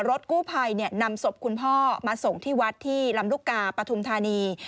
รถกู้ภัยนำศพคุณพ่อมาส่งที่วัดที่ลำลูกกาปฐุมธานี